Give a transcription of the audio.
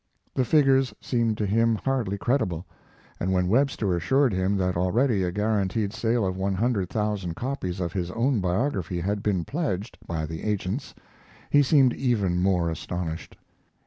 The figures seemed to him hardly credible, and when Webster assured him that already a guaranteed sale of one hundred thousand copies of his own biography had been pledged by the agents he seemed even more astonished.